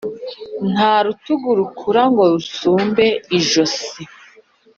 Ntarutugu rukura ngo rusumbe ijosi